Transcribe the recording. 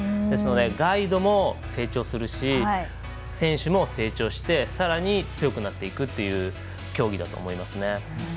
ですので、ガイドも成長するし選手も成長して、さらに強くなっていくっていう競技だと思いますね。